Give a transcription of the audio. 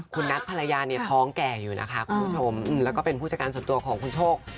คุณนัทภรรยาเนี่ยท้องแก่อยู่นะคะคุณผู้ชมแล้วก็เป็นผู้จัดการส่วนตัวของคุณโชค